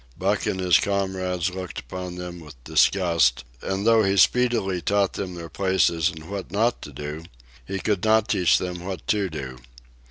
Buck and his comrades looked upon them with disgust, and though he speedily taught them their places and what not to do, he could not teach them what to do.